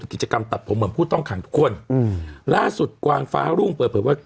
กิจกรรมตัดผมเหมือนผู้ต้องขังทุกคนอืมล่าสุดกวางฟ้ารุ่งเปิดเผยว่า